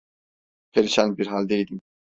Perişan bir haldeydim.